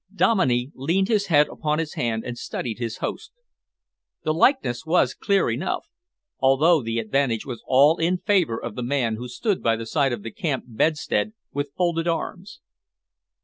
Dominey leaned his head upon his hand and studied his host. The likeness was clear enough, although the advantage was all in favour of the man who stood by the side of the camp bedstead with folded arms.